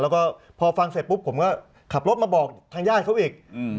แล้วก็พอฟังเสร็จปุ๊บผมก็ขับรถมาบอกทางญาติเขาอีก